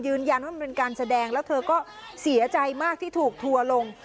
ยืนยันว่ามันเป็นการแสดงแล้วเธอก็เสียใจมากที่ถูกทัวลง